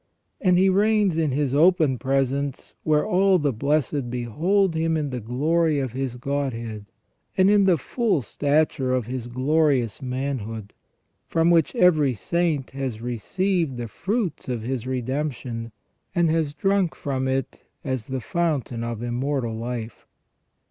And He reigns in His open presence, where all the blessed behold Him in the glory of His Godhead, and in the full stature of His glorious manhood; from which every saint has received the fruits of his redemption, and has drunk from it as the fountain of immortal life.